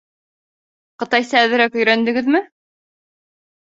— Ҡытайса әҙерәк өйрәндегеҙме?